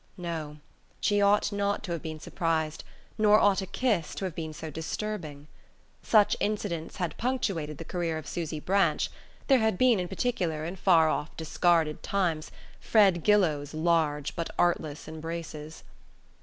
No she ought not to have been surprised; nor ought a kiss to have been so disturbing. Such incidents had punctuated the career of Susy Branch: there had been, in particular, in far off discarded times, Fred Gillow's large but artless embraces.